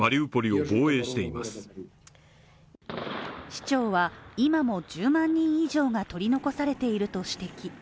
市長は今も１０万人以上が取り残されていると指摘。